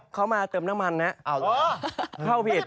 เขามาเติมน้ำมันนะเข้าผิด